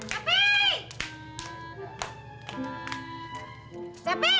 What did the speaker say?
di stasiun gambir